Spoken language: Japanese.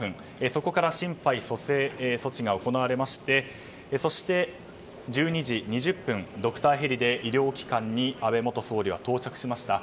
そこから心肺蘇生措置が行われてそして、１２時２０分ドクターヘリで医療機関に安倍元総理は到着しました。